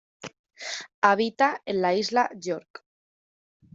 Habita en la isla York.